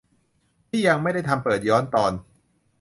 ที่ยังไม่ได้ทำเปิดย้อนตอน